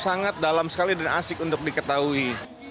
sangat dalam sekali dan asik untuk diketahui